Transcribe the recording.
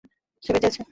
সে বেঁচে আছে!